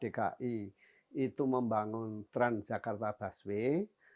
saat pemerintah dki itu membangun tras jakarta busway